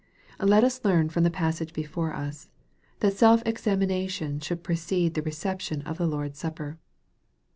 Let us learn from the passage before us, that self examination should precede the reception of the Lord's Supper.